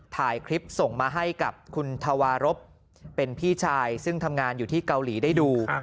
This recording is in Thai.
ถ่ายคลิปส่งมาให้กับคุณธวารพเป็นพี่ชายซึ่งทำงานอยู่ที่เกาหลีได้ดู